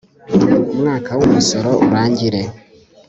umwaka w umusoro urangire